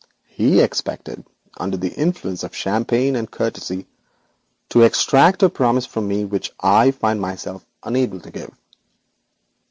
He expected, under the influence of champagne and courtesy, to extract a promise from me which I must find myself unable to give.